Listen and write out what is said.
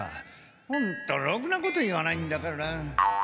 ホントろくなこと言わないんだから。